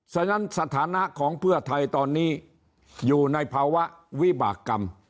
ฉะนั้นสถานะของเพื่อไทยตอนนี้อยู่ในภาวะวิบากรรม